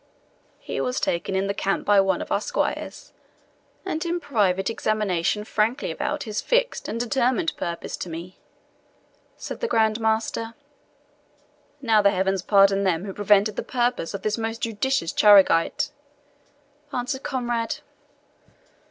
"He was taken in the camp by one of our squires, and in private examination frankly avowed his fixed and determined purpose to me," said the Grand Master. "Now the heavens pardon them who prevented the purpose of this most judicious Charegite!" answered Conrade.